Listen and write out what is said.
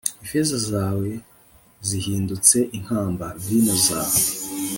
ifeza zawe zihindutse inkamba, vino zawe